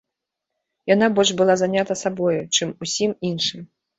Яна больш была занята сабою, чым усім іншым.